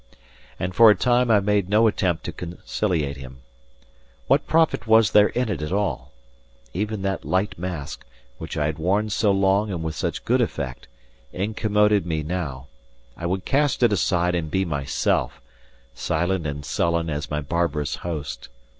And for a time I made no attempt to conciliate him. What profit was there in it at all? Even that light mask, which I had worn so long and with such good effect, incommoded me now: I would cast it aside and be myself silent and sullen as my barbarous host.